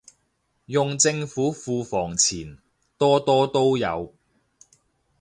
用政府庫房錢，多多都有